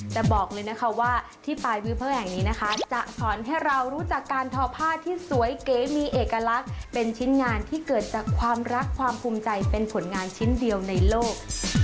แต่บอกเลยนะคะว่าที่ปลายวิวเพอร์แห่งนี้นะคะจะสอนให้เรารู้จักการทอผ้าที่สวยเก๋มีเอกลักษณ์เป็นชิ้นงานที่เกิดจากความรักความภูมิใจเป็นผลงานชิ้นเดียวในโลก